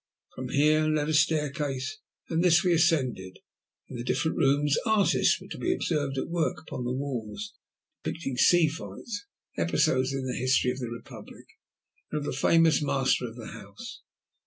From here led a staircase, and this we ascended. In the different rooms artists were to be observed at work upon the walls, depicting sea fights, episodes in the history of the Republic, and of the famous master of the house.